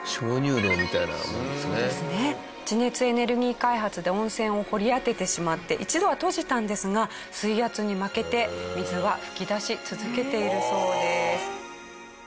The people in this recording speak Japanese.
地熱エネルギー開発で温泉を掘り当ててしまって一度は閉じたんですが水圧に負けて水は噴き出し続けているそうです。